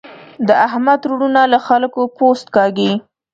د احمد وروڼه له خلګو پوست کاږي.